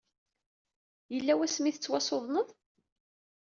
Yella wasmi ay tettwassudned?